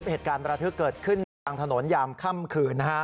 เหตุการณ์ระทึกเกิดขึ้นกลางถนนยามค่ำคืนนะฮะ